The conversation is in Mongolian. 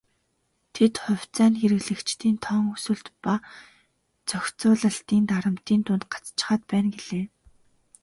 Тэд "хувьцаа нь хэрэглэгчдийн тоон өсөлт ба зохицуулалтын дарамтын дунд гацчихаад байна" гэлээ.